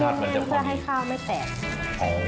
กำไพรมงานจะให้ข้าวไม่แตก